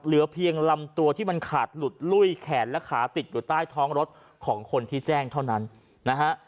เหลือเพียงลำตัวที่มันขาดหลุดลุ้ยแขนและขาติดอยู่ใต้ท้องรถของคนที่แจ้งเท่านั้นนะฮะ